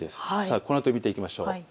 このあと見ていきましょう。